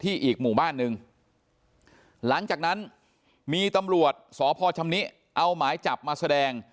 อีกหมู่บ้านหนึ่งหลังจากนั้นมีตำรวจสพชำนิเอาหมายจับมาแสดง